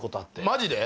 マジで？